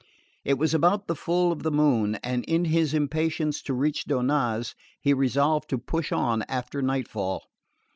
It was about the full of the moon, and in his impatience to reach Donnaz he resolved to push on after nightfall.